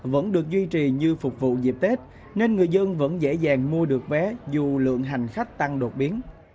vẫn được duy trì như phục vụ dịp tết nên người dân vẫn dễ dàng mua được vé dù lượng hành khách tăng đột biến